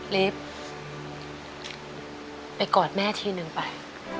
เล็บไปกอดแม่ทีนึงไป